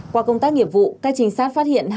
qua công tác nghiệp vụ các trinh sát phát hiện